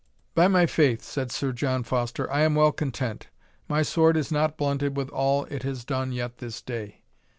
"By my faith," said Sir John Foster, "I am well content my sword is not blunted with all it has done yet this day."